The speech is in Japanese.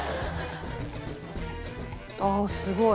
ああすごい。